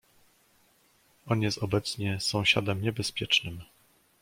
"On jest obecnie sąsiadem niebezpiecznym."